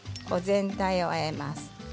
全体をあえます。